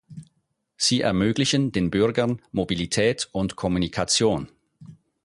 Sie ermöglichen den Bürgern Mobilität und Kommunikation.